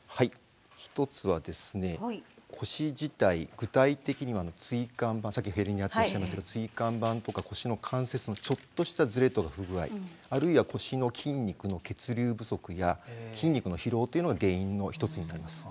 具体的には椎間板さっきヘルニアっておっしゃいましたけど椎間板とか腰の関節のちょっとしたずれとか不具合あるいは腰の筋肉の血流不足や筋肉の疲労っていうのが原因の一つになります。